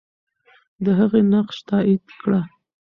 د هغې نقش تایید کړه.